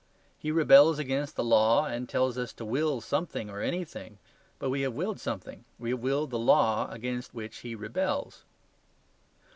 He rebels against the law and tells us to will something or anything. But we have willed something. We have willed the law against which he rebels.